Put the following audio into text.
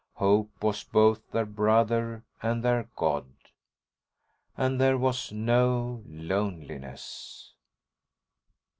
Hope was both their brother and their god. And there was no loneliness.